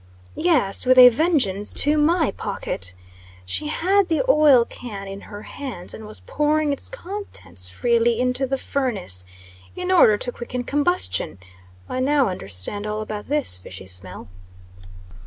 "Yes, with a vengeance to my pocket. She had the oil can in her hands, and was pouring its contents freely into the furnace, in order to quicken combustion. I now understand all about this fishy smell."